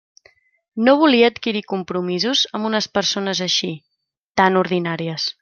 No volia adquirir compromisos amb unes persones així..., tan ordinàries.